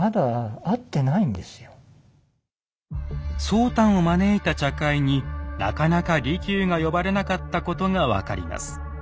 宗湛を招いた茶会になかなか利休が呼ばれなかったことが分かります。